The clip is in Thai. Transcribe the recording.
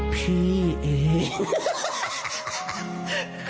พี่เอง